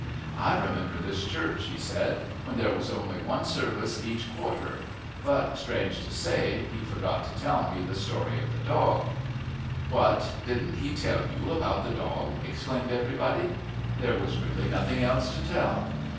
"I remember this church," he said, "when there was only one service each quarter," but, strange to say, he forgot to tell me the story of the dog! "What, didn't he tell you about the dog?" exclaimed everybody. There was really nothing else to tell.